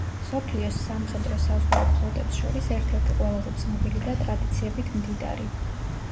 მსოფლიოს სამხედრო-საზღვაო ფლოტებს შორის ერთ-ერთი ყველაზე ცნობილი და ტრადიციებით მდიდარი.